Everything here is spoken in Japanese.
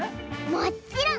もっちろん！